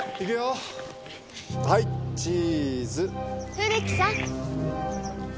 古木さん！